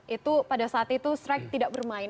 itu pada saat itu strike tidak bermain